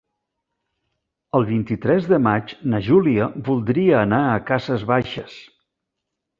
El vint-i-tres de maig na Júlia voldria anar a Cases Baixes.